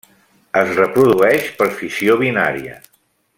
Es reprodueix per fissió binària.